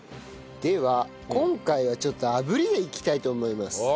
では今回はちょっと炙りでいきたいと思います。